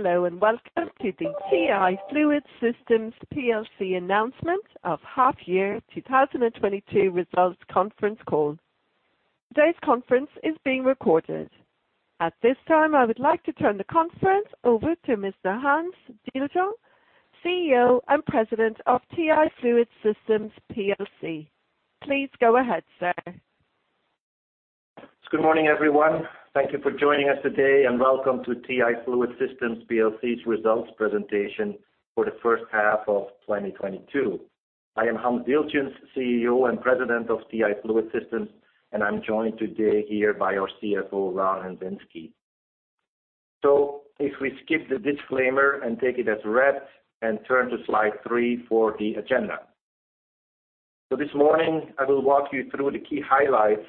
Hello, and welcome to the TI Fluid Systems PLC announcement of half year 2022 results conference call. Today's conference is being recorded. At this time, I would like to turn the conference over to Mr. Hans Dieltjens, CEO and President of TI Fluid Systems PLC. Please go ahead, sir. Good morning, everyone. Thank you for joining us today, and welcome to TI Fluid Systems PLC's results presentation for the first half of 2022. I am Hans Dieltjens, CEO and President of TI Fluid Systems, and I'm joined today here by our CFO, Ron Hundzinski. If we skip the disclaimer and take it as read and turn to slide 3 for the agenda. This morning I will walk you through the key highlights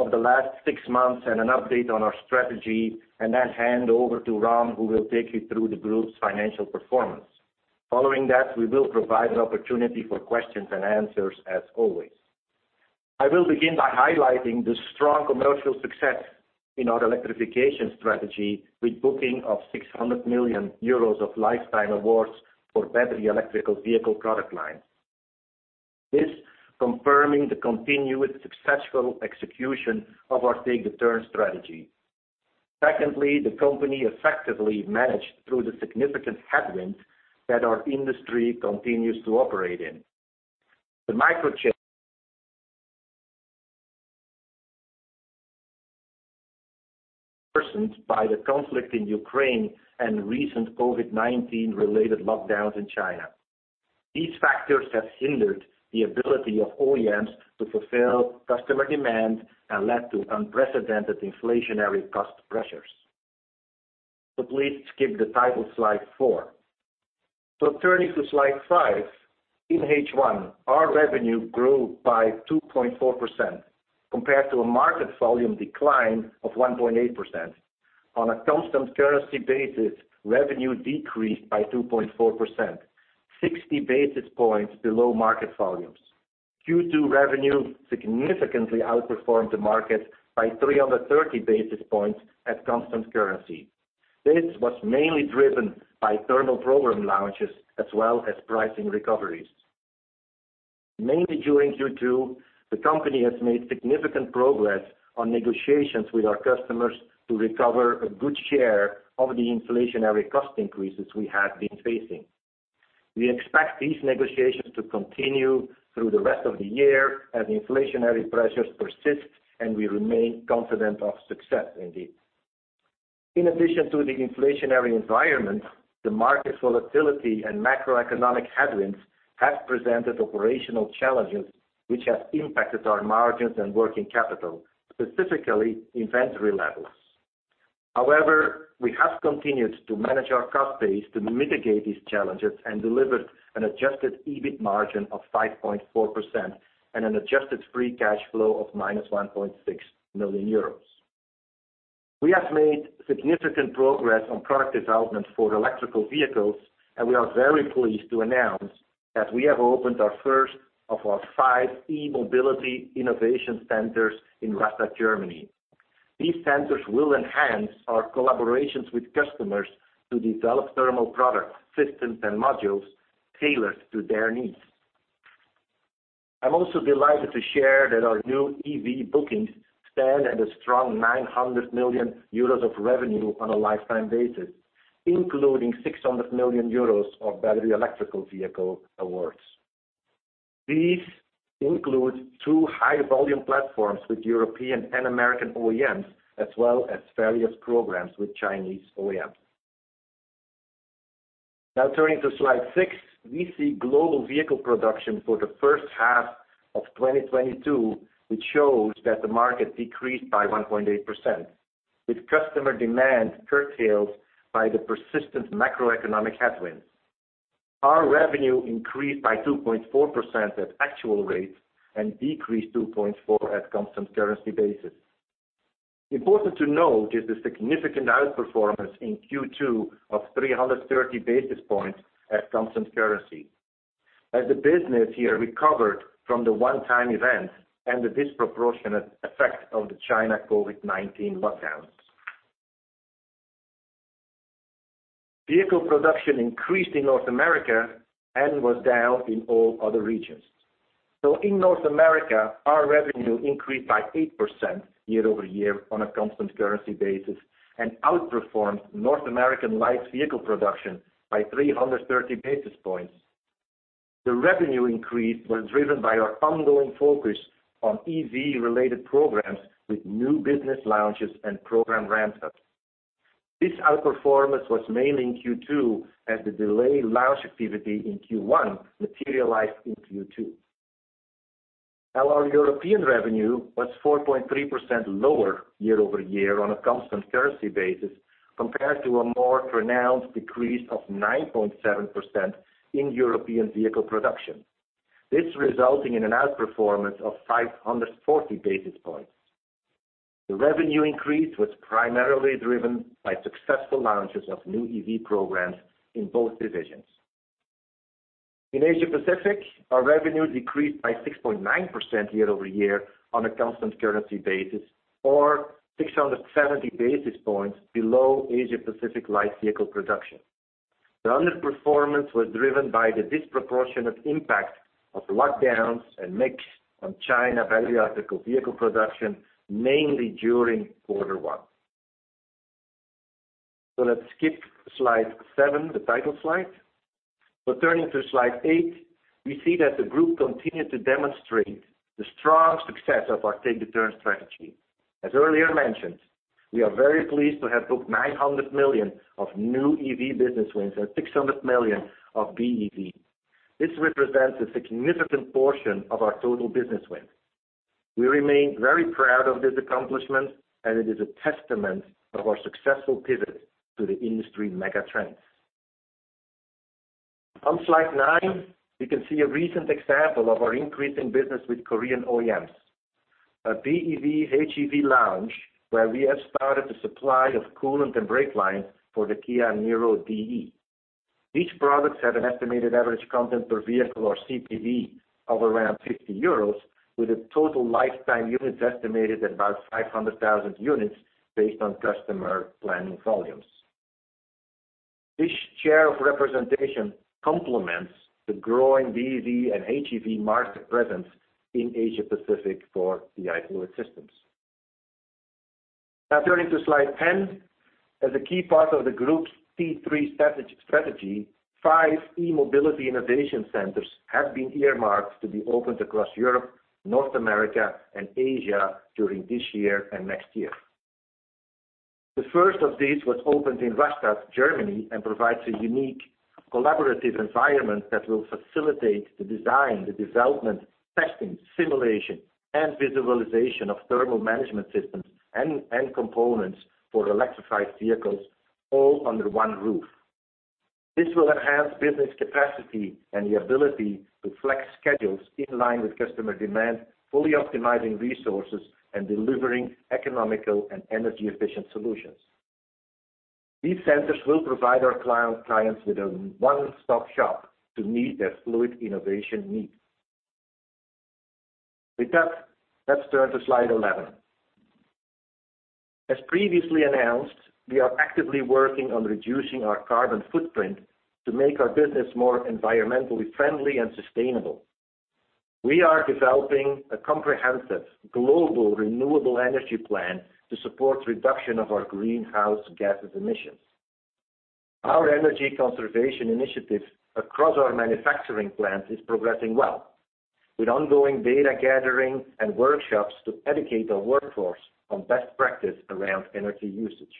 of the last six months and an update on our strategy and then hand over to Ron, who will take you through the group's financial performance. Following that, we will provide an opportunity for questions and answers as always. I will begin by highlighting the strong commercial success in our electrification strategy with bookings of 600 millions euros of lifetime awards for battery electric vehicle product lines. This confirms the continuous successful execution of our Take the Turn strategy. Secondly, the company effectively managed through the significant headwinds that our industry continues to operate in. The microchip shortage worsened by the conflict in Ukraine and recent COVID-19 related lockdowns in China. These factors have hindered the ability of OEMs to fulfill customer demand and led to unprecedented inflationary cost pressures. Please skip the title slide 4. Turning to slide 5. In H1, our revenue grew by 2.4% compared to a market volume decline of 1.8%. On a constant currency basis, revenue decreased by 2.4%, 60 basis points below market volumes. Q2 revenue significantly outperformed the market by 330 basis points at constant currency. This was mainly driven by thermal program launches as well as pricing recoveries. Mainly during Q2, the company has made significant progress on negotiations with our customers to recover a good share of the inflationary cost increases we have been facing. We expect these negotiations to continue through the rest of the year as inflationary pressures persist, and we remain confident of success indeed. In addition to the inflationary environment, the market volatility and macroeconomic headwinds have presented operational challenges which have impacted our margins and working capital, specifically inventory levels. However, we have continued to manage our cost base to mitigate these challenges and delivered an Adjusted EBIT margin of 5.4% and an adjusted free cash flow of -1.6 million euros. We have made significant progress on product development for electric vehicles, and we are very pleased to announce that we have opened our first of five e-Mobility Innovation Centers in Rastatt, Germany. These centers will enhance our collaborations with customers to develop thermal products, systems, and modules tailored to their needs. I'm also delighted to share that our new EV bookings stand at a strong 900 million euros of revenue on a lifetime basis, including 600 millions euros of battery electric vehicle awards. These include two high volume platforms with European and American OEMs, as well as various programs with Chinese OEMs. Now turning to slide 6, we see global vehicle production for the first half of 2022, which shows that the market decreased by 1.8%, with customer demand curtailed by the persistent macroeconomic headwinds. Our revenue increased by 2.4% at actual rates and decreased 2.4% at constant currency basis. Important to note is the significant outperformance in Q2 of 330 basis points at constant currency as the business here recovered from the one-time event and the disproportionate effect of the China COVID-19 lockdowns. Vehicle production increased in North America and was down in all other regions. In North America, our revenue increased by 8% year-over-year on a constant currency basis and outperformed North American light vehicle production by 330 basis points. The revenue increase was driven by our ongoing focus on EV-related programs with new business launches and program ramp-ups. This outperformance was mainly in Q2 as the delayed launch activity in Q1 materialized in Q2. Now our European revenue was 4.3% lower year-over-year on a constant currency basis compared to a more pronounced decrease of 9.7% in European vehicle production, this resulting in an outperformance of 540 basis points. The revenue increase was primarily driven by successful launches of new EV programs in both divisions. In Asia Pacific, our revenue decreased by 6.9% year-over-year on a constant currency basis, or 670 basis points below Asia Pacific light vehicle production. The underperformance was driven by the disproportionate impact of lockdowns and mix on China light vehicle production, mainly during quarter one. Let's skip slide seven, the title slide. Turning to slide eight, we see that the group continued to demonstrate the strong success of our Take the Turn strategy. As earlier mentioned, we are very pleased to have booked 900 million of new EV business wins and 600 million of BEV. This represents a significant portion of our total business wins. We remain very proud of this accomplishment, and it is a testament to our successful pivot to the industry megatrends. On slide 9, you can see a recent example of our increasing business with Korean OEMs. A BEV HEV launch where we have started the supply of coolant and brake lines for the Kia Niro DE. These products have an estimated average content per vehicle or CPV of around 50 euros, with a total lifetime units estimated at about 500,000 units based on customer planning volumes. This share of representation complements the growing BEV and HEV market presence in Asia Pacific for TI Fluid Systems. Now turning to slide 10. As a key part of the group's C3 strategy, five e-Mobility Innovation Centers have been earmarked to be opened across Europe, North America, and Asia during this year and next year. The first of these was opened in Rastatt, Germany, and provides a unique collaborative environment that will facilitate the design, the development, testing, simulation, and visualization of thermal management systems and components for electrified vehicles all under one roof. This will enhance business capacity and the ability to flex schedules in line with customer demand, fully optimizing resources and delivering economical and energy-efficient solutions. These centers will provide our clients with a one-stop shop to meet their fluid innovation needs. With that, let's turn to slide 11. As previously announced, we are actively working on reducing our carbon footprint to make our business more environmentally friendly and sustainable. We are developing a comprehensive global renewable energy plan to support reduction of our greenhouse gases emissions. Our energy conservation initiatives across our manufacturing plants is progressing well, with ongoing data gathering and workshops to educate our workforce on best practice around energy usage.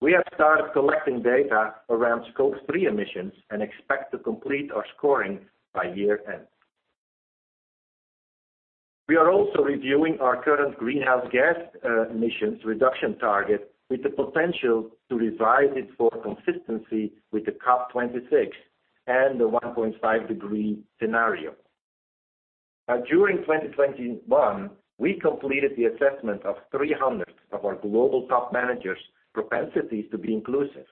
We have started collecting data around Scope 3 emissions and expect to complete our scoring by year end. We are also reviewing our current greenhouse gas emissions reduction target with the potential to revise it for consistency with the COP26 and the 1.5-degree scenario. Now, during 2021, we completed the assessment of 300 of our global top managers propensities to be inclusive.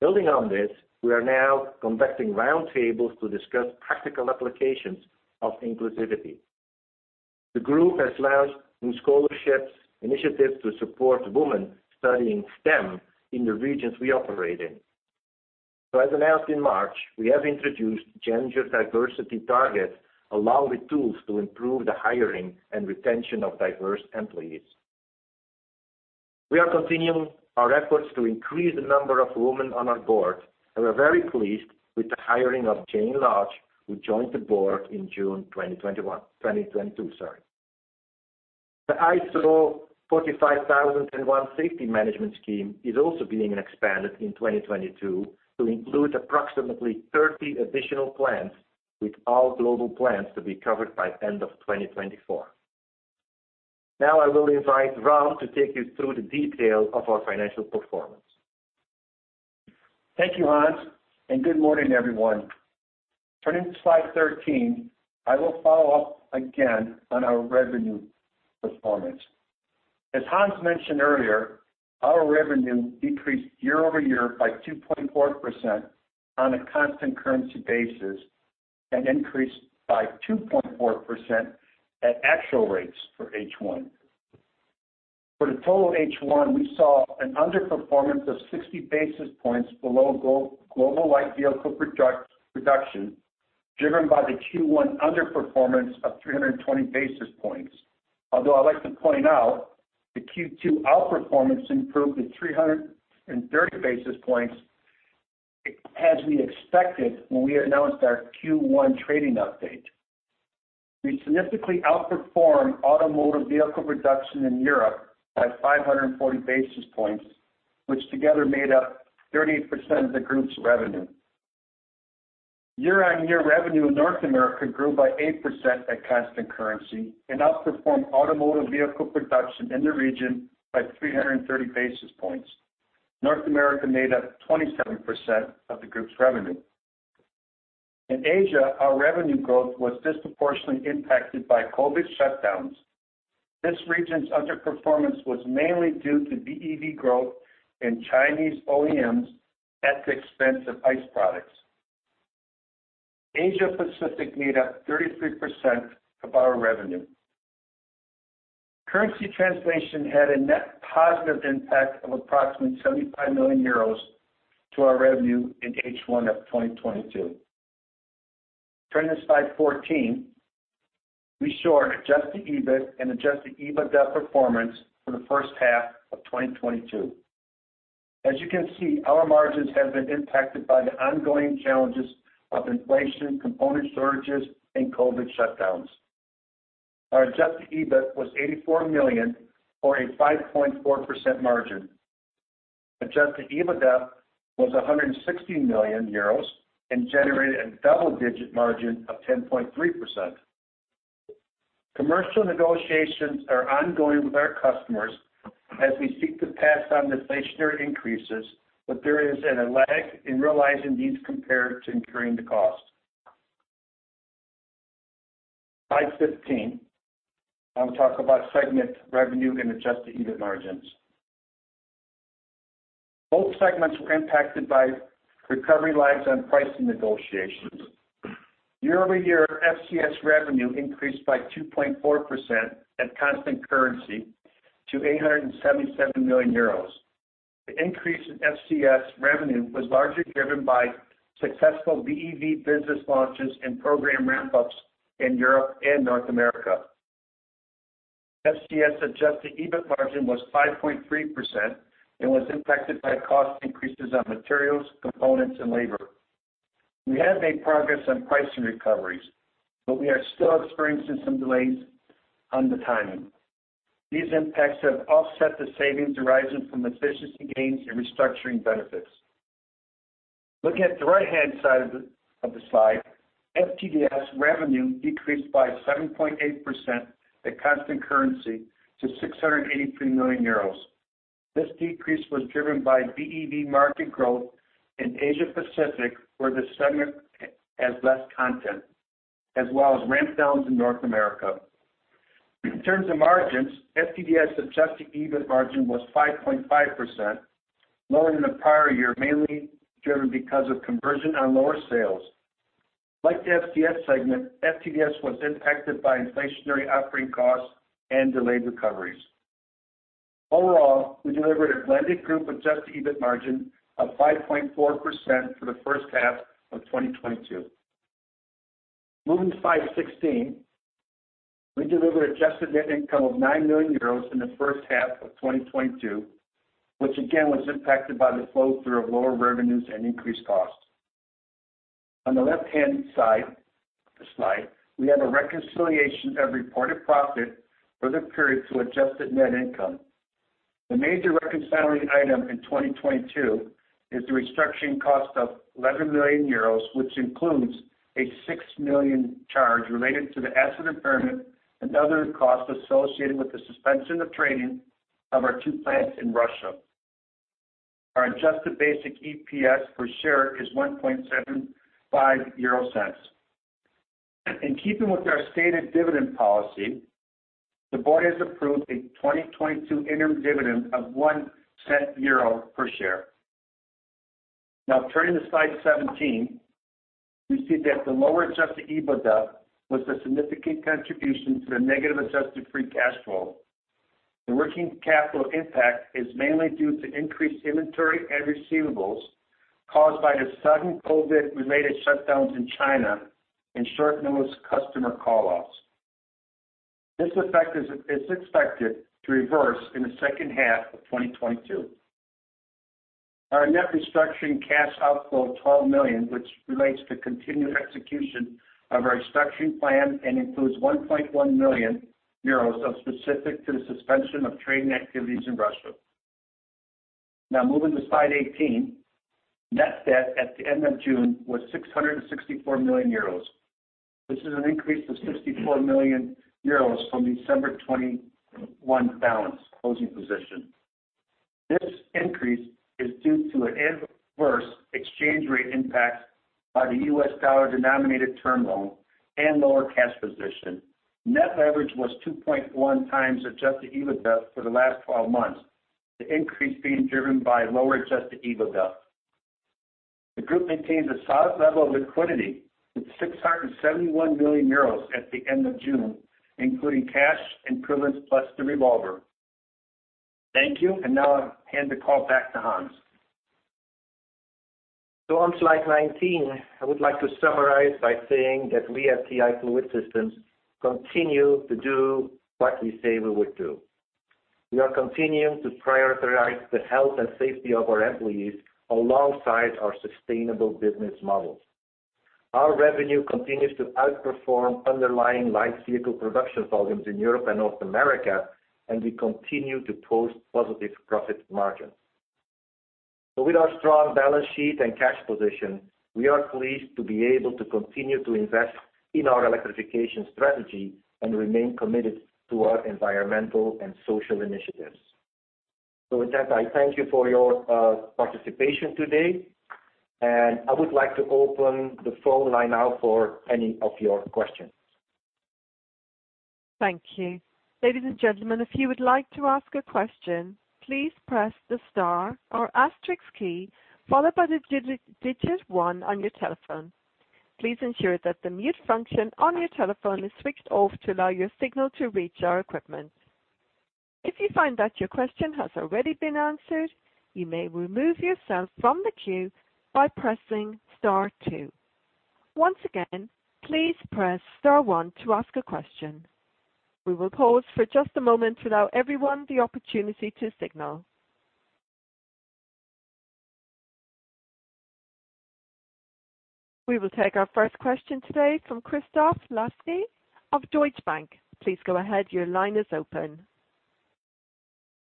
Building on this, we are now conducting roundtables to discuss practical applications of inclusivity. The group has launched new scholarships initiatives to support women studying STEM in the regions we operate in. As announced in March, we have introduced gender diversity targets along with tools to improve the hiring and retention of diverse employees. We are continuing our efforts to increase the number of women on our board, and we're very pleased with the hiring of Jane Lodge, who joined the board in June 2022, sorry. The ISO 45001 safety management scheme is also being expanded in 2022 to include approximately 30 additional plants, with all global plants to be covered by end of 2024. Now I will invite Ron to take you through the details of our financial performance. Thank you, Hans, and good morning, everyone. Turning to slide 13, I will follow up again on our revenue performance. As Hans mentioned earlier, our revenue decreased year-over-year by 2.4% on a constant currency basis and increased by 2.4% at actual rates for H1. For the total H1, we saw an underperformance of 60 basis points below global light vehicle product production, driven by the Q1 underperformance of 320 basis points. Although I'd like to point out the Q2 outperformance improved to 330 basis points as we expected when we announced our Q1 trading update. We significantly outperformed automotive vehicle production in Europe by 540 basis points, which together made up 38% of the group's revenue. Year-on-year revenue in North America grew by 8% at constant currency and outperformed automotive vehicle production in the region by 330 basis points. North America made up 27% of the group's revenue. In Asia, our revenue growth was disproportionately impacted by COVID shutdowns. This region's underperformance was mainly due to BEV growth in Chinese OEMs at the expense of ICE products. Asia Pacific made up 33% of our revenue. Currency translation had a net positive impact of approximately 75 million euros to our revenue in H1 of 2022. Turning to slide 14, we show our adjusted EBIT and Adjusted EBITDA performance for the first half of 2022. As you can see, our margins have been impacted by the ongoing challenges of inflation, component shortages, and COVID shutdowns. Our Adjusted EBIT was 84 million or a 5.4% margin. Adjusted EBITDA was 160 million euros and generated a double-digit margin of 10.3%. Commercial negotiations are ongoing with our customers as we seek to pass on inflationary increases, but there is a lag in realizing these compared to incurring the cost. Slide 15, I'll talk about segment revenue and Adjusted EBIT margins. Both segments were impacted by recovery lags on pricing negotiations. Year-over-year, FCS revenue increased by 2.4% at constant currency to 877 million euros. The increase in FCS revenue was largely driven by successful BEV business launches and program ramp-ups in Europe and North America. FCS Adjusted EBIT margin was 5.3% and was impacted by cost increases on materials, components, and labor. We have made progress on pricing recoveries, but we are still experiencing some delays on the timing. These impacts have offset the savings arising from efficiency gains and restructuring benefits. Looking at the right-hand side of the slide, FTDS revenue decreased by 7.8% at constant currency to 683 million euros. This decrease was driven by BEV market growth in Asia Pacific, where the segment has less content, as well as ramp downs in North America. In terms of margins, FTDS Adjusted EBIT margin was 5.5%, lower than the prior year, mainly driven because of conversion on lower sales. Like the FCS segment, FTDS was impacted by inflationary operating costs and delayed recoveries. Overall, we delivered a blended group-Adjusted EBIT margin of 5.4% for the first half of 2022. Moving to slide 16, we delivered adjusted net income of 9 million euros in the first half of 2022, which again was impacted by the flow-through of lower revenues and increased costs. On the left-hand side of the slide, we have a reconciliation of reported profit for the period to adjusted net income. The major reconciling item in 2022 is the restructuring cost of 11 million euros, which includes a 6 million charge related to the asset impairment and other costs associated with the suspension of trading of our two plants in Russia. Our adjusted basic EPS per share is 0.0175. In keeping with our stated dividend policy, the board has approved a 2022 interim dividend of 0.01 per share. Now turning to slide 17, we see that the lower Adjusted EBITDA was a significant contribution to the negative adjusted free cash flow. The working capital impact is mainly due to increased inventory and receivables caused by the sudden COVID-related shutdowns in China and short-notice customer call-outs. This effect is expected to reverse in the second half of 2022. Our net restructuring cash outflow of 12 million, which relates to continued execution of our restructuring plan and includes 1.1 million euros specific to the suspension of trading activities in Russia. Now moving to slide 18, net debt at the end of June was 664 million euros. This is an increase of 64 million euros from December 2021 balance closing position. This increase is due to an adverse exchange rate impact by the US dollar-denominated term loan and lower cash position. Net leverage was 2.1x Adjusted EBITDA for the last 12 months, the increase being driven by lower Adjusted EBITDA. The group maintains a solid level of liquidity with 671 million euros at the end of June, including cash and equivalents plus the revolver. Thank you, and now I'll hand the call back to Hans. On slide 19, I would like to summarize by saying that we at TI Fluid Systems continue to do what we say we would do. We are continuing to prioritize the health and safety of our employees alongside our sustainable business models. Our revenue continues to outperform underlying light vehicle production volumes in Europe and North America, and we continue to post positive profit margins. With our strong balance sheet and cash position, we are pleased to be able to continue to invest in our electrification strategy and remain committed to our environmental and social initiatives. With that, I thank you for your participation today. I would like to open the phone line now for any of your questions. Thank you. Ladies and gentlemen, if you would like to ask a question, please press the star or asterisk key, followed by the digit one on your telephone. Please ensure that the mute function on your telephone is switched off to allow your signal to reach our equipment. If you find that your question has already been answered, you may remove yourself from the queue by pressing star two. Once again, please press star one to ask a question. We will pause for just a moment to allow everyone the opportunity to signal. We will take our first question today from Christoph Laskawi of Deutsche Bank. Please go ahead. Your line is open.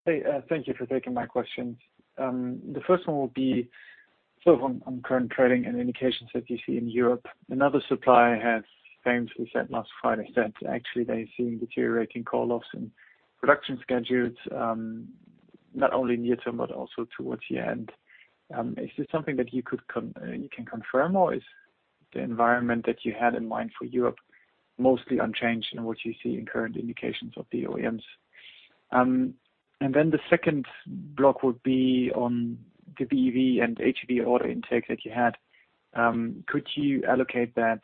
Hey, thank you for taking my questions. The first one will be sort of on current trading and indications that you see in Europe. Another supplier has famously said last Friday that actually they're seeing deteriorating call-offs and production schedules, not only near-term but also towards the end. Is this something that you could confirm, or is the environment that you had in mind for Europe mostly unchanged in what you see in current indications of the OEMs? Then the second block would be on the BEV and HEV order intake that you had. Could you allocate that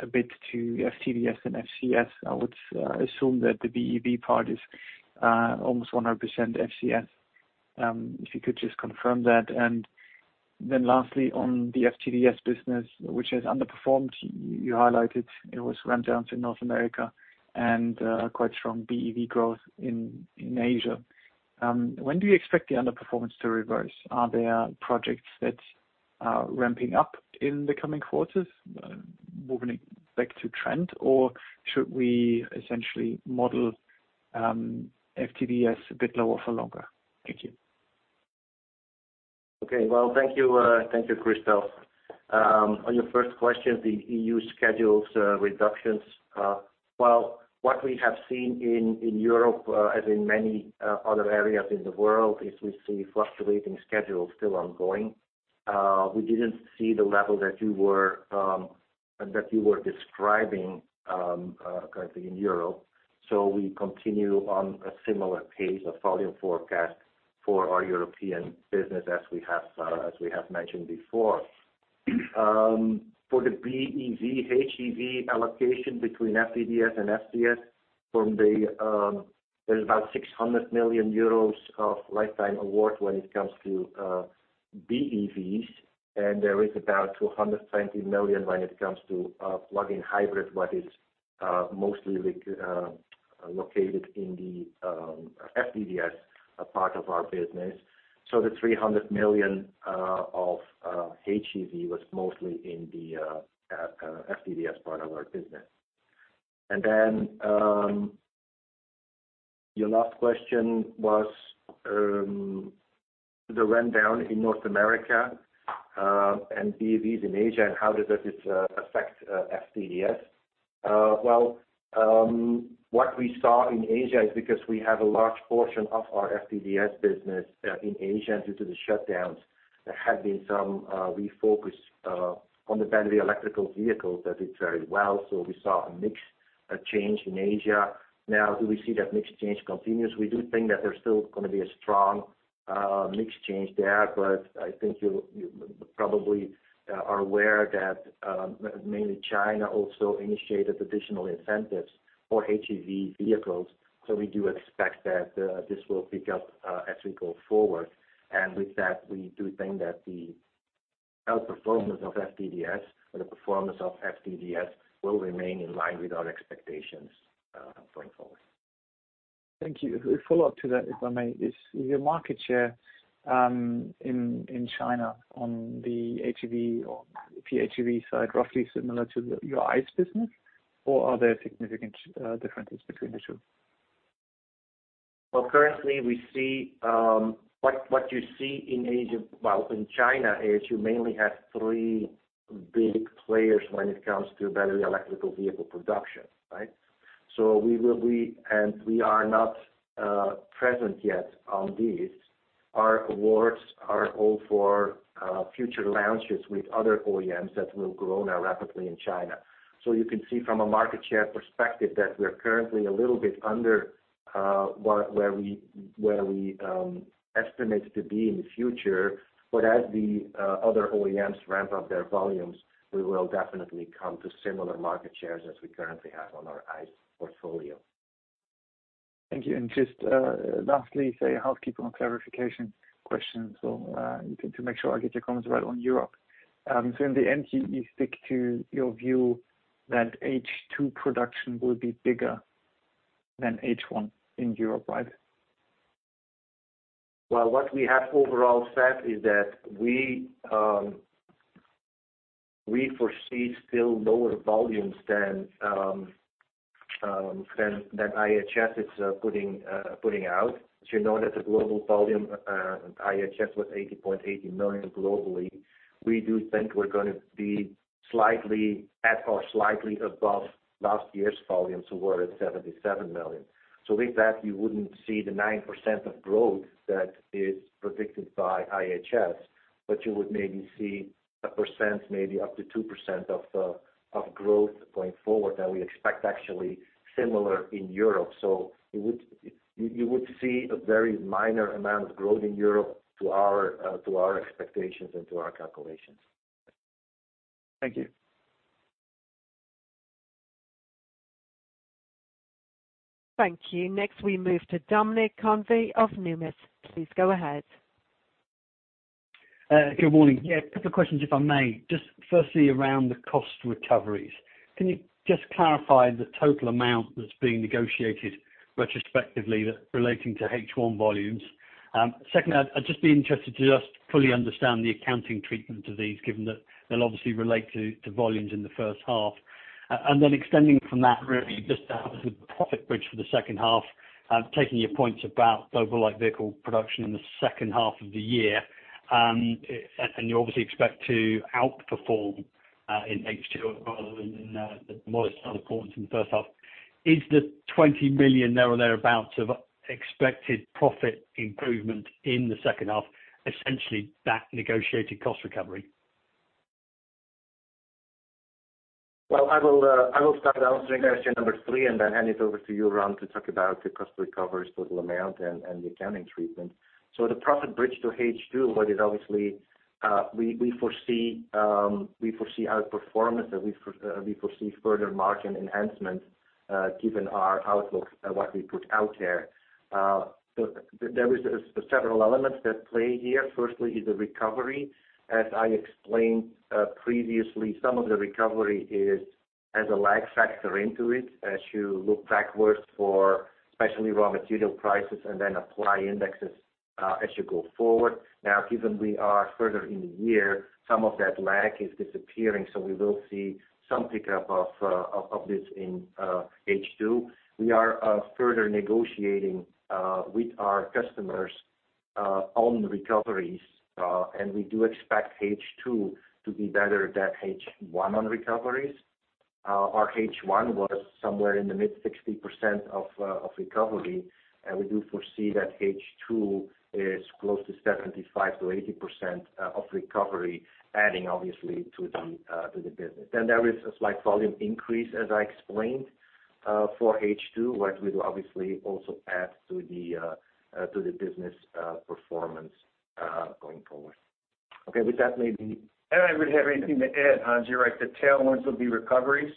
a bit to FTDS and FCS? I would assume that the BEV part is almost 100% FCS. If you could just confirm that. Lastly, on the FTDS business, which has underperformed, you highlighted it was ramp-downs in North America and quite strong BEV growth in Asia. When do you expect the underperformance to reverse? Are there projects that are ramping up in the coming quarters, moving back to trend? Or should we essentially model FTDS a bit lower for longer? Thank you. Okay. Well, thank you. Thank you, Christoph. On your first question, the EU schedules reductions. What we have seen in Europe, as in many other areas in the world, is we see fluctuating schedules still ongoing. We didn't see the level that you were describing currently in Europe. We continue on a similar pace of volume forecast for our European business as we have mentioned before. For the BEV/HEV allocation between FTDS and FCS, there's about 600 millions euros of lifetime award when it comes to BEVs, and there is about 220 million when it comes to plug-in hybrid, but it's mostly located in the FTDS part of our business. The 300 million of HEV was mostly in the FTDS part of our business. Your last question was the ramp-down in North America and BEVs in Asia, and how does this affect FTDS? Well, what we saw in Asia is because we have a large portion of our FTDS business in Asia. Due to the shutdowns, there had been some refocus on the battery electric vehicles that did very well. We saw a mix change in Asia. Now, do we see that mix change continues? We do think that there's still gonna be a strong mix change there, but I think you probably are aware that mainly China also initiated additional incentives for HEV vehicles. We do expect that this will pick up as we go forward. With that, we do think that the outperformance of FTDS or the performance of FTDS will remain in line with our expectations going forward. Thank you. A follow-up to that, if I may. Is your market share in China on the HEV or PHEV side roughly similar to the your ICE business? Or are there significant differences between the two? Well, currently, we see what you see in Asia, well, in China is you mainly have three big players when it comes to battery electric vehicle production, right? We will be, and we are not present yet on these. Our awards are all for future launches with other OEMs that will grow now rapidly in China. You can see from a market share perspective that we're currently a little bit under where we estimate to be in the future. As the other OEMs ramp up their volumes, we will definitely come to similar market shares as we currently have on our ICE portfolio. Thank you. Just lastly, a housekeeping and clarification question. To make sure I get your comments right on Europe. In the end, you stick to your view that H2 production will be bigger than H1 in Europe, right? Well, what we have overall said is that we foresee still lower volumes than that IHS is putting out. As you know that the global volume, IHS was 80.8 million globally. We do think we're gonna be slightly at or slightly above last year's volumes were at 77 million. With that, you wouldn't see the 9% of growth that is predicted by IHS, but you would maybe see 1%, maybe up to 2% of growth going forward that we expect actually similar in Europe. You would see a very minor amount of growth in Europe to our expectations and to our calculations. Thank you. Thank you. Next, we move to Dominic Convey of Numis. Please go ahead. Good morning. Yeah, a couple questions, if I may. Just firstly, around the cost recoveries, can you just clarify the total amount that's being negotiated retrospectively that relating to H1 volumes? Second, I'd just be interested to just fully understand the accounting treatment of these, given that they'll obviously relate to volumes in the first half. Then extending from that really just as a profit bridge for the second half, taking your points about global light vehicle production in the second half of the year, and you obviously expect to outperform in H2 rather than more so in the first half. Is the 20 million there or thereabouts of expected profit improvement in the second half essentially that negotiated cost recovery? Well, I will start answering question number 3 and then hand it over to Ron to talk about the cost recovery, total amount and the accounting treatment. The profit bridge to H2, what is obviously we foresee outperformance and we foresee further margin enhancements, given our outlook and what we put out there. There is several elements that play here. Firstly is the recovery. As I explained previously, some of the recovery has a lag factor into it as you look backwards for especially raw material prices and then apply indexes as you go forward. Now, given we are further in the year, some of that lag is disappearing, so we will see some pickup of this in H2. We are further negotiating with our customers on the recoveries, and we do expect H2 to be better than H1 on recoveries. Our H1 was somewhere in the mid-60% of recovery, and we do foresee that H2 is close to 75%-80% of recovery, adding obviously to the business. There is a slight volume increase, as I explained, for H2, which will obviously also add to the business performance going forward. Okay, with that maybe. I don't really have anything to add, Hans. You're right, the tailwinds will be recoveries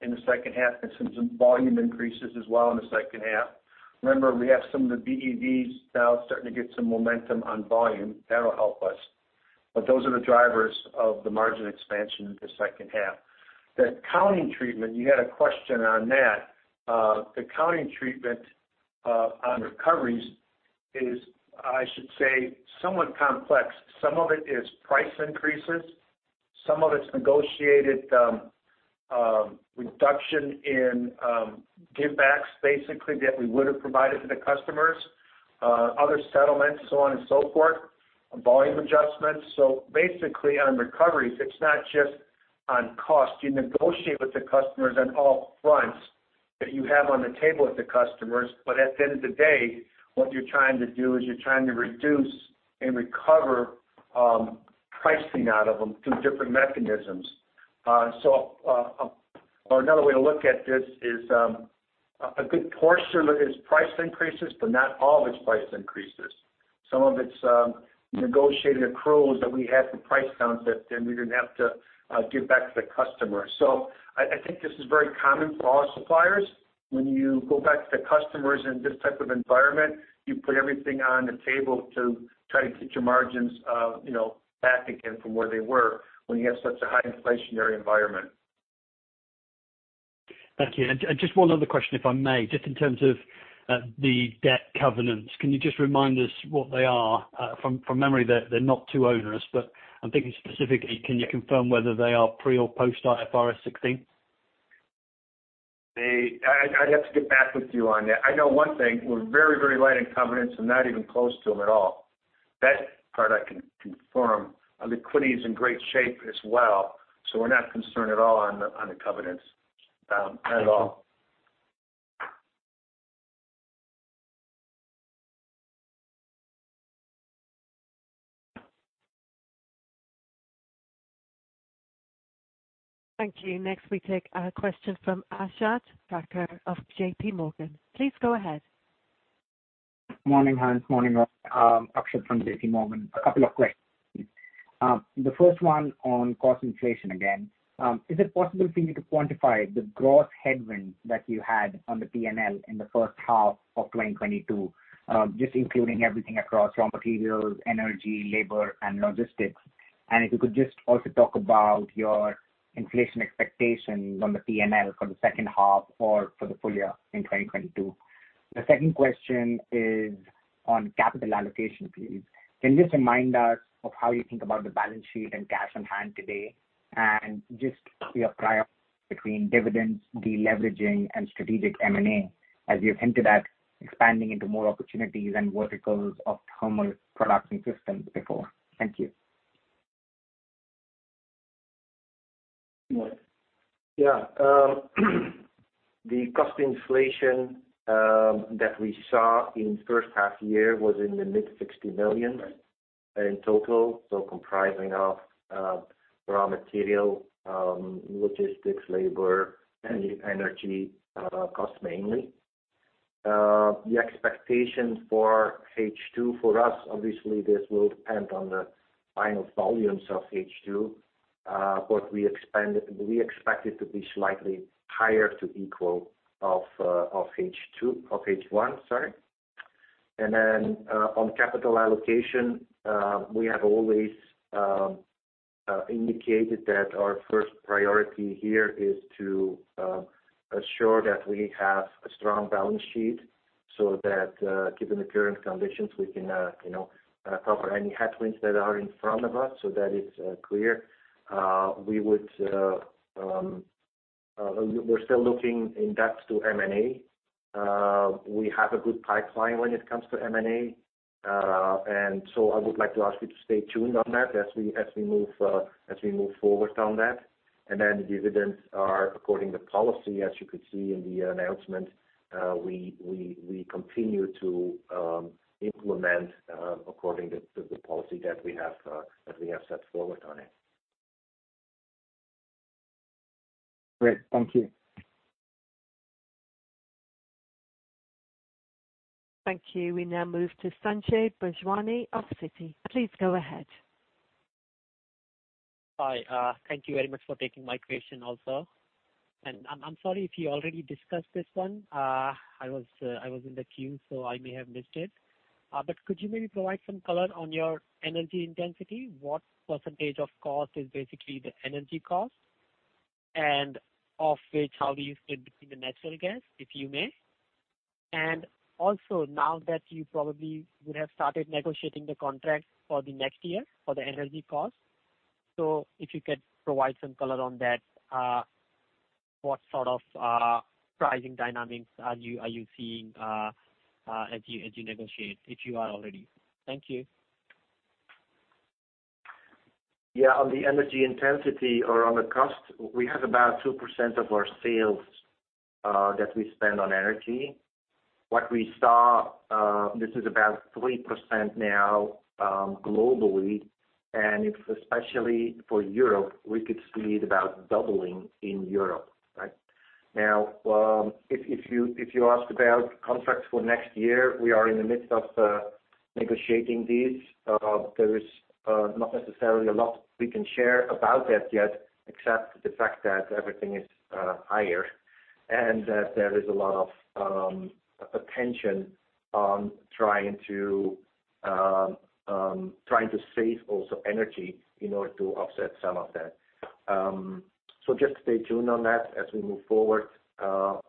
in the second half and some volume increases as well in the second half. Remember, we have some of the BEVs now starting to get some momentum on volume. That'll help us. Those are the drivers of the margin expansion in the second half. The accounting treatment, you had a question on that. The accounting treatment on recoveries is, I should say, somewhat complex. Some of it is price increases, some of it's negotiated, a reduction in give backs, basically, that we would have provided to the customers, other settlements, so on and so forth, volume adjustments. Basically, on recoveries, it's not just on cost. You negotiate with the customers on all fronts that you have on the table with the customers. At the end of the day, what you're trying to do is reduce and recover pricing out of them through different mechanisms. Or another way to look at this is a good portion of it is price increases, but not all of it's price increases. Some of it's negotiated accruals that we had to price down, but then we didn't have to give back to the customer. I think this is very common for all suppliers. When you go back to the customers in this type of environment, you put everything on the table to try to get your margins, you know, back again from where they were when you have such a high inflationary environment. Thank you. Just one other question, if I may, just in terms of the debt covenants. Can you just remind us what they are? From memory, they're not too onerous, but I'm thinking specifically, can you confirm whether they are pre or post IFRS 16? I'd have to get back with you on that. I know one thing, we're very, very light on covenants and not even close to them at all. That part I can confirm. Our liquidity is in great shape as well, so we're not concerned at all on the covenants at all. Thank you. Next, we take a question from Akshat Kacker of JPMorgan. Please go ahead. Morning, Hans. Morning, Akshat from JPMorgan. A couple of questions. The first one on cost inflation again. Is it possible for you to quantify the gross headwind that you had on the P&L in the first half of 2022, just including everything across raw materials, energy, labor, and logistics? If you could just also talk about your inflation expectations on the P&L for the second half or for the full year in 2022. On capital allocation, please. Can you just remind us of how you think about the balance sheet and cash on hand today? Just your priority between dividends, deleveraging, and strategic M&A as you've hinted at expanding into more opportunities and verticals of thermal products and systems before. Thank you. Yeah, the cost inflation that we saw in first half year was in the mid 60 million in total, comprising of raw material, logistics, labor, and energy costs mainly. The expectation for H2 for us, obviously this will depend on the final volumes of H2, but we expect it to be slightly higher to equal of of H1, sorry. Then, on capital allocation, we have always indicated that our first priority here is to assure that we have a strong balance sheet, so that given the current conditions, we can you know cover any headwinds that are in front of us. That is clear. We would we're still looking in that to M&A. We have a good pipeline when it comes to M&A. I would like to ask you to stay tuned on that as we move forward on that. Dividends are according to policy. As you could see in the announcement, we continue to implement according to the policy that we have set forward on it. Great. Thank you. Thank you. We now move to Sanjay Bhagwani of Citi. Please go ahead. Hi. Thank you very much for taking my question also. I'm sorry if you already discussed this one. I was in the queue, so I may have missed it. Could you maybe provide some color on your energy intensity? What percentage of cost is basically the energy cost? Of which, how do you split between the natural gas, if you may? Now that you probably would have started negotiating the contract for the next year for the energy cost, so if you could provide some color on that, what sort of pricing dynamics are you seeing as you negotiate, if you are already? Thank you. Yeah. On the energy intensity or on the cost, we have about 2% of our sales that we spend on energy. What we saw, this is about 3% now, globally, and especially for Europe, we could see it about doubling in Europe, right? Now, if you ask about contracts for next year, we are in the midst of negotiating these. There is not necessarily a lot we can share about that yet, except the fact that everything is higher and that there is a lot of attention on trying to save also energy in order to offset some of that. Just stay tuned on that as we move forward,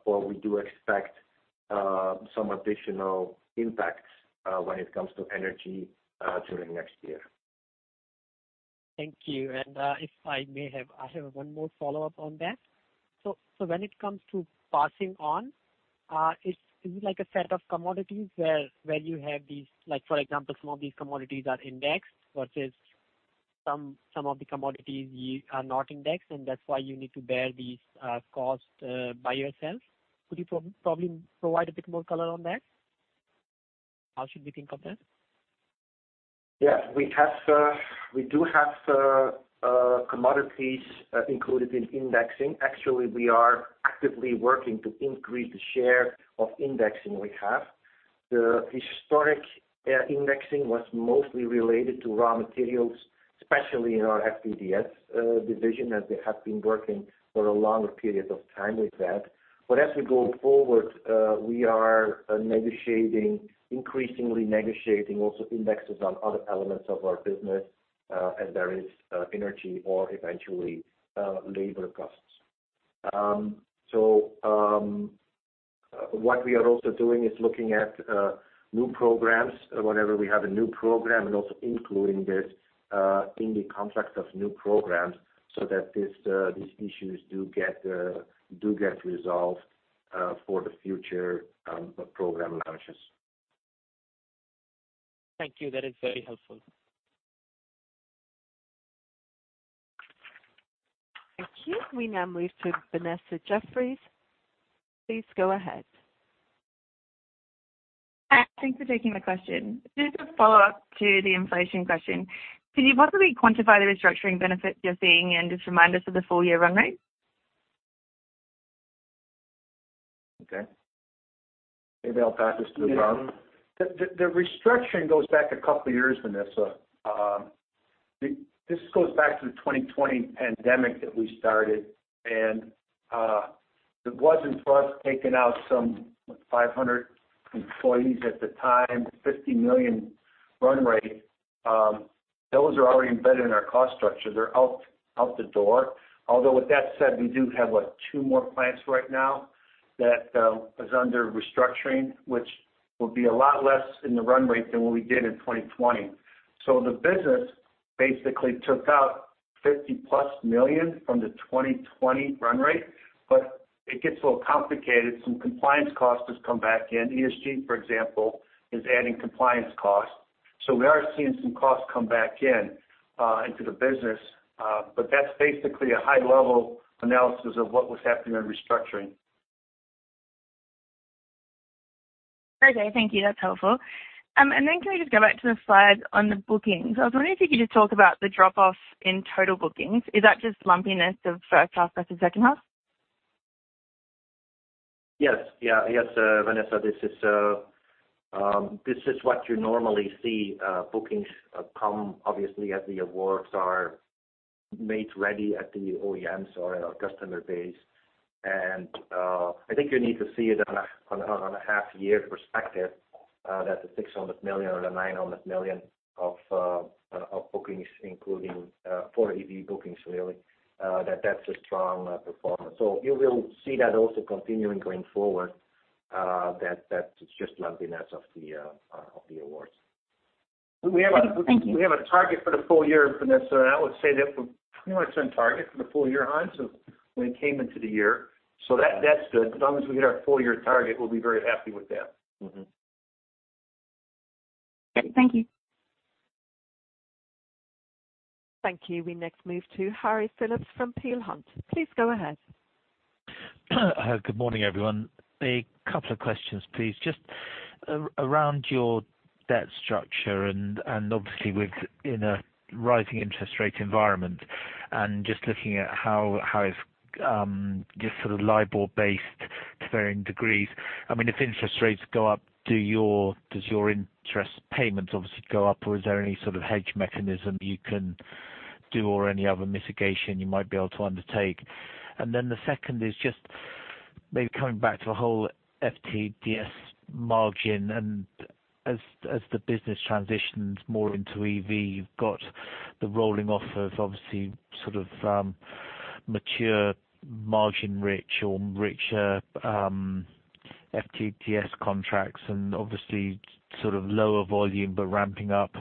for we do expect some additional impacts when it comes to energy during next year. Thank you. I have one more follow-up on that. When it comes to passing on, is it like a set of commodities where you have these like for example, some of these commodities are indexed versus some of the commodities you are not indexed, and that's why you need to bear these costs by yourself. Could you probably provide a bit more color on that? How should we think of that? We do have commodities included in indexing. Actually, we are actively working to increase the share of indexing we have. The historical indexing was mostly related to raw materials, especially in our FTDS division, as they have been working for a longer period of time with that. As we go forward, we are increasingly negotiating also indexes on other elements of our business, as there is energy or eventually labor costs. What we are also doing is looking at new programs. Whenever we have a new program and also including this in the contracts of new programs so that these issues do get resolved for the future program launches. Thank you. That is very helpful. Thank you. We now move to Vanessa Jeffriess. Please go ahead. Hi. Thanks for taking my question. Just a follow-up to the inflation question. Can you possibly quantify the restructuring benefit you're seeing, and just remind us of the full year run rate? Okay. Maybe I'll pass this to Tom. The restructuring goes back a couple of years, Vanessa. This goes back to the 2020 pandemic that we started. It wasn't for us taking out some 500 employees at the time, 50 million run rate, those are already embedded in our cost structure. They're out the door. Although with that said, we do have two more plants right now that is under restructuring, which will be a lot less in the run rate than what we did in 2020. The business basically took out 50+ million from the 2020 run rate, but it gets a little complicated. Some compliance cost has come back in. ESG, for example, is adding compliance costs. We are seeing some costs come back in into the business. That's basically a high-level analysis of what was happening in restructuring. Okay, thank you. That's helpful. Can we just go back to the slide on the bookings? I was wondering if you could just talk about the drop-off in total bookings. Is that just lumpiness of first half versus second half? Yes, Vanessa, this is what you normally see, bookings come obviously as the awards are made ready at the OEMs or our customer base. I think you need to see it on a half year perspective, that the 600 million or the 900 millions of bookings, including for EV bookings, really, that's a strong performance. You will see that also continuing going forward. That's just lumpiness of the awards. Thank you. We have a target for the full year, Vanessa, and I would say that we're pretty much on target for the full year, Hans, of when we came into the year. That, that's good. As long as we hit our full-year target, we'll be very happy with that. Mm-hmm. Great. Thank you. Thank you. We next move to Harry Philips from Peel Hunt. Please go ahead. Good morning, everyone. A couple of questions, please. Just around your debt structure and obviously within a rising interest rate environment and just looking at how it's just sort of LIBOR-based to varying degrees. I mean, if interest rates go up, does your interest payments obviously go up or is there any sort of hedge mechanism you can do or any other mitigation you might be able to undertake? The second is just maybe coming back to a whole FTDS margin and as the business transitions more into EV, you've got the rolling off of obviously sort of mature margin rich or richer FTDS contracts and obviously sort of lower volume, but ramping up.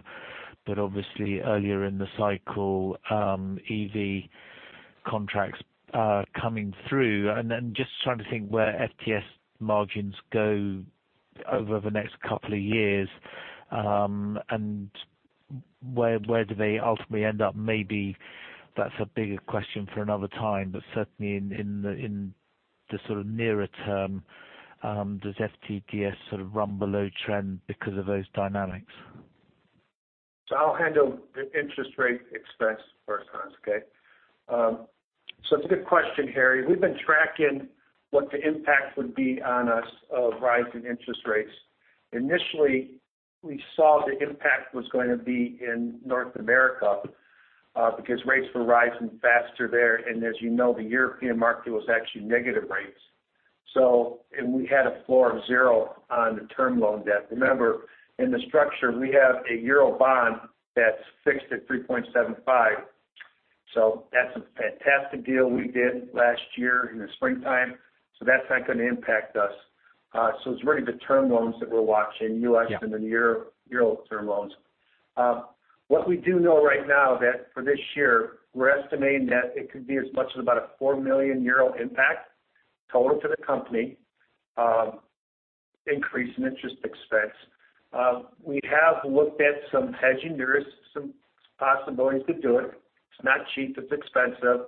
Obviously earlier in the cycle, EV contracts are coming through. Just trying to think where FTDS margins go over the next couple of years, and where do they ultimately end up? Maybe that's a bigger question for another time, but certainly in the sort of nearer term, does FTDS sort of run below trend because of those dynamics? I'll handle the interest rate expense first, Hans. Okay? It's a good question, Harry. We've been tracking what the impact would be on us of rising interest rates. Initially, we saw the impact was gonna be in North America, because rates were rising faster there. And as you know, the European market was actually negative rates. We had a floor of zero on the term loan debt. Remember, in the structure, we have a euro bond that's fixed at 3.75. That's a fantastic deal we did last year in the springtime. That's not gonna impact us. It's really the term loans that we're watching, US- Yeah. Euro term loans. What we do know right now that for this year, we're estimating that it could be as much as about a 4 million euro impact total to the company, increase in interest expense. We have looked at some hedging. There is some possibilities to do it. It's not cheap. It's expensive.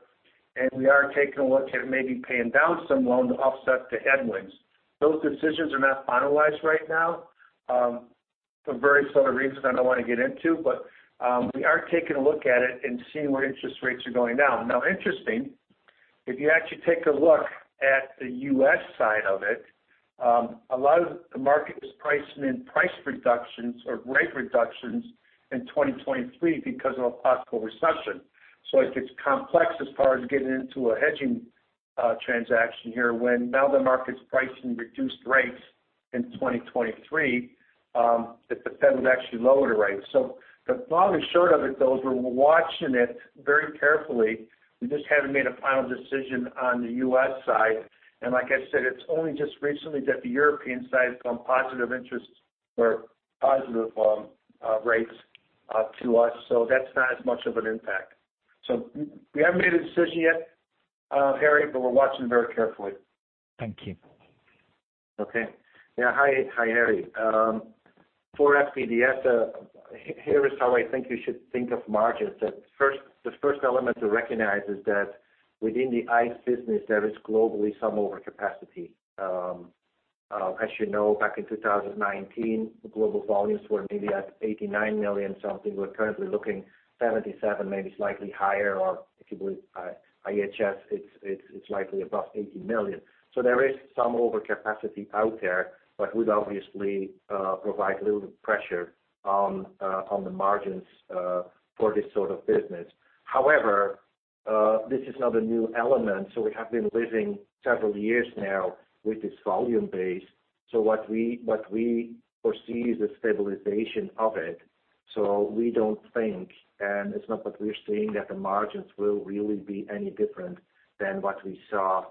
We are taking a look at maybe paying down some loans to offset the headwinds. Those decisions are not finalized right now, for very solid reasons that I don't wanna get into. We are taking a look at it and seeing where interest rates are going now. Now interesting, if you actually take a look at the U.S. side of it, a lot of the market is pricing in price reductions or rate reductions in 2023 because of a possible recession. It gets complex as far as getting into a hedging transaction here when now the market's pricing reduced rates in 2023, if the Fed would actually lower the rates. The long and short of it though is we're watching it very carefully. We just haven't made a final decision on the US side. Like I said, it's only just recently that the European side has gone positive interest or positive rates to us. That's not as much of an impact. We haven't made a decision yet, Harry, but we're watching very carefully. Thank you. Okay. Yeah. Hi. Hi, Harry. For FTDS, here is how I think you should think of margins. The first element to recognize is that within the ICE business, there is globally some overcapacity. As you know, back in 2019, the global volumes were maybe at 89 million something. We're currently looking 77, maybe slightly higher, or if you believe IHS, it's likely above 80 million. There is some overcapacity out there, but it would obviously provide a little bit of pressure on the margins for this sort of business. However, this is not a new element, so we have been living several years now with this volume base. What we foresee is a stabilization of it. We don't think, and it's not that we're seeing that the margins will really be any different than what we saw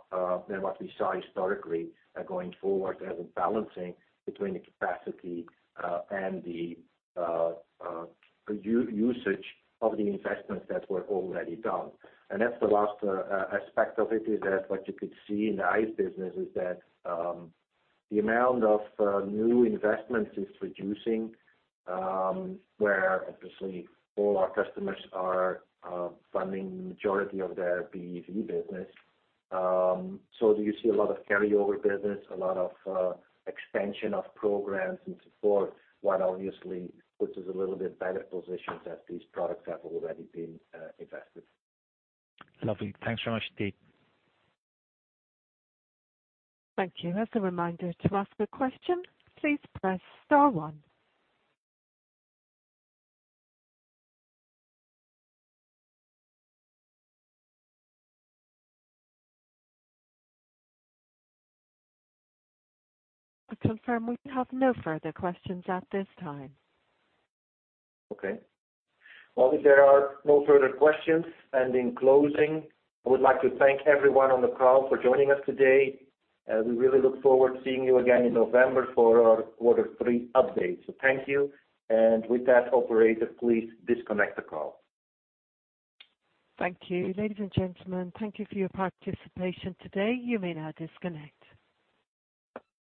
historically, going forward as a balancing between the capacity and the usage of the investments that were already done. That's the last aspect of it, is that what you could see in the ICE business is that the amount of new investments is reducing, where obviously all our customers are funding the majority of their BEV business. Do you see a lot of carryover business, a lot of expansion of programs and support? While obviously puts us a little bit better positioned as these products have already been invested. Lovely. Thanks very much indeed. Thank you. As a reminder, to ask a question, please press star one. I confirm we have no further questions at this time. Okay. Well, if there are no further questions, and in closing, I would like to thank everyone on the call for joining us today. We really look forward to seeing you again in November for our quarter three update. Thank you. With that, operator, please disconnect the call. Thank you. Ladies and gentlemen, thank you for your participation today. You may now disconnect.